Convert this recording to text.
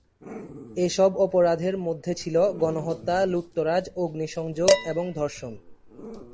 এসব অপরাধের মধ্যে ছিল গণহত্যা, লুটতরাজ, অগ্নিসংযোগ এবং ধর্ষণ।